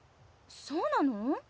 そうなの？